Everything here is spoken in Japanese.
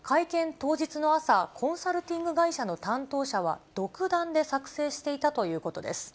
当日の朝、コンサルティング会社の担当者は独断で作成していたということです。